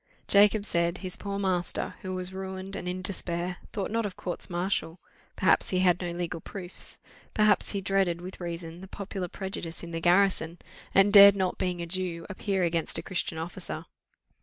Jacob said, his poor master, who was ruined and in despair, thought not of courts martial perhaps he had no legal proofs perhaps he dreaded, with reason, the popular prejudice in the garrison, and dared not, being a Jew, appear against a Christian officer.